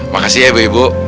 makasih ya ibu ibu